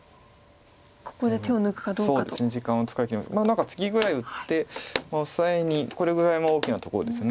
何かツギぐらい打ってオサエにこれぐらいも大きなところです。